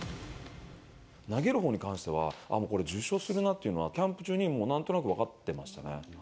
投げるほうに関しては、あっ、これ１０勝するなっていうのは、キャンプ中にもうなんとなく分かってましたね。